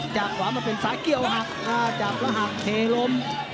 จากขวามาเป็นซ้ายเกี่ยวหักจากแล้วหักเทล้ม